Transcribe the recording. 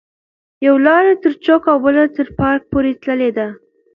یوه لار تر چوک او بله تر پارک پورې تللې ده.